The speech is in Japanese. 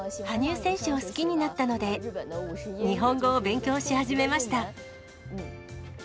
羽生選手を好きになったので、日本語を勉強し始めました。